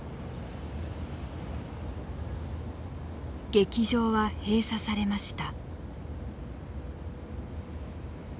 劇場は閉鎖されました。